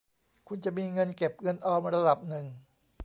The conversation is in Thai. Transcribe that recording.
คุณจะมีเงินเก็บเงินออมระดับหนึ่ง